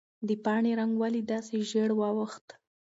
د پاڼې رنګ ولې داسې ژېړ واوښت؟